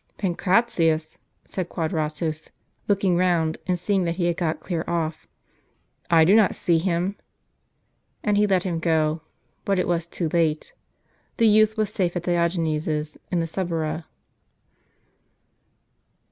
" Pancratius !" said Quadratus, looking round, and seeing that he had got clear off; " I do not see him." And he let him go; but it was too late. The youth was safe at Diogenes' s, in the Suburra.